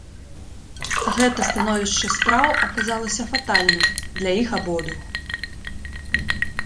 Гэта становішча спраў аказалася фатальным для іх абодвух.